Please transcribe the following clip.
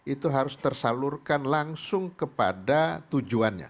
itu harus tersalurkan langsung kepada tujuannya